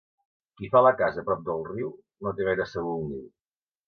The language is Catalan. Qui fa la casa prop del riu, no té gaire segur el niu.